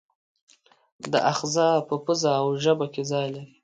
دا آخذه په پزه او ژبه کې ځای لري.